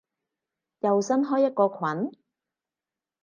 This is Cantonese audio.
又新開一個群？